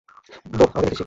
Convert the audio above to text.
বোহ, আমাকে দেখে শেখ।